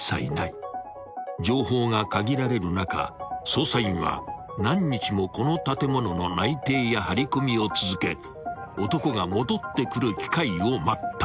［情報が限られる中捜査員は何日もこの建物の内偵や張り込みを続け男が戻ってくる機会を待った］